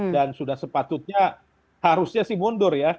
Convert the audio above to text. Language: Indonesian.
dan sudah sepatutnya harusnya mundur ya